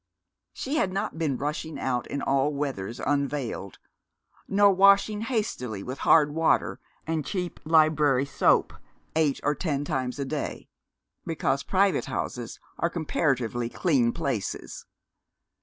She had not been rushing out in all weathers unveiled, nor washing hastily with hard water and cheap library soap eight or ten times a day, because private houses are comparatively clean places.